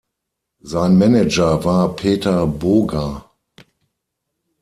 Sein Manager war Peter Boga.